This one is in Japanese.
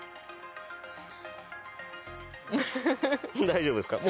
大丈夫ですか？